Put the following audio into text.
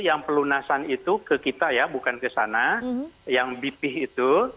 yang pelunasan itu ke kita ya bukan ke sana yang bp itu